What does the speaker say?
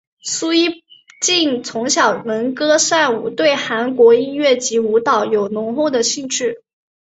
苏一晋从小能歌善舞对韩国音乐及舞蹈有浓厚的兴趣。